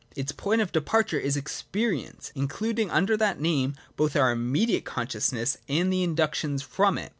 Its point of departure is Experience ; in cluding under that name both our immediate conscious ness and the inductions from it.